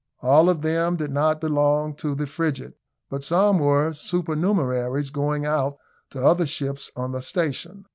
All of them did not belong to the frigate, but some were supernumeraries going out to other ships on the station.